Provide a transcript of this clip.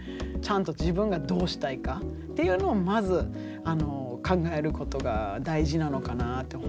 ちゃんと自分がどうしたいかっていうのをまず考えることが大事なのかなと。